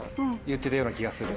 言ってたような気がする？